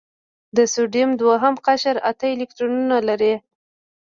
د سوډیم دوهم قشر اته الکترونونه لري.